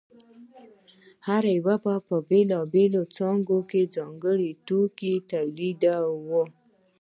هر یوه په بېلابېلو څانګو کې ځانګړی توکی تولیداوه